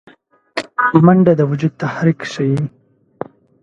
منډه د وجود تحرک ښيي